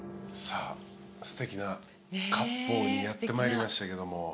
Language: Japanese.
さあすてきな割烹にやってまいりましたけども。